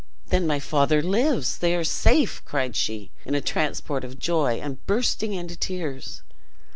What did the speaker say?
"Then my father lives! They are safe!" cried she, in a transport of joy, and bursting into tears.